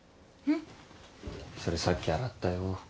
それさっき洗ったよ。